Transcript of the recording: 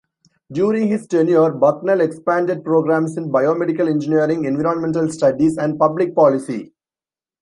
During his tenure, Bucknell expanded programs in biomedical engineering, environmental studies, and public policy.